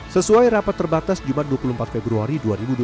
sesuai rapat terbatas jumat dua puluh empat februari dua ribu dua puluh